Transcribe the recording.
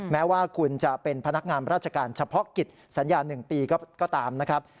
แม้ว่าคุณจะเป็นพนักงานราชการเฉพาะกิจสัญญา๑ปีก็ตามนะครับ